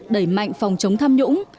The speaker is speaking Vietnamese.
đẩy mạnh phòng chống tham nhũng